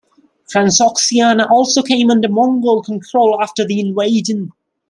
Transoxiana also came under Mongol control after the invasion.